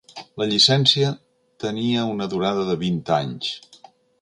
La llicència tenia una durada de vint anys.